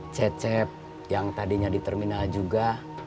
cecep yang tadinya di terminal juga